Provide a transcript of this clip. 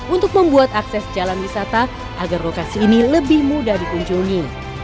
untuk membuat akses jalan wisata agar lokasi ini lebih mudah dikunjungi